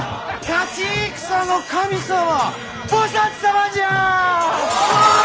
勝ち戦の神様菩薩様じゃ！